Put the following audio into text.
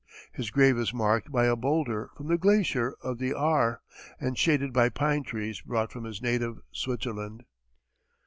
His grave is marked by a boulder from the glacier of the Aar, and shaded by pine trees brought from his native Switzerland.